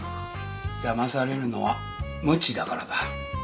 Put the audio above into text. だまされるのは無知だからだ。